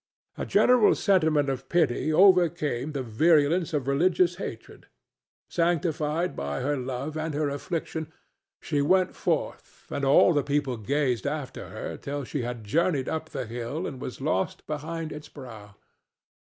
A general sentiment of pity overcame the virulence of religious hatred. Sanctified by her love and her affliction, she went forth, and all the people gazed after her till she had journeyed up the hill and was lost behind its brow.